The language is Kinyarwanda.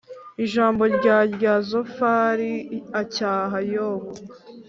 Ijambo rya rya Zofari acyaha Yobu